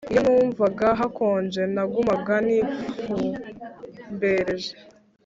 Iyo numvaga hakonje nagumaga nifumbereje